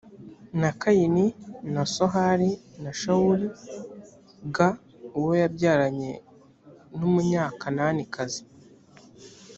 na yakini na sohari na shawuli g uwo yabyaranye n umunyakananikazi